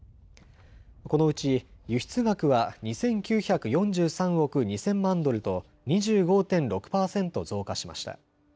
このうち輸出額は２９４３億２０００万ドルと２５．６％増加しました。